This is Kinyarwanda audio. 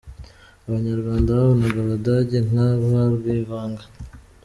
Abanyarwanda babonaga abadage nka ba Rwivanga.